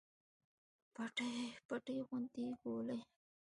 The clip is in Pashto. پټې غونډې کولې.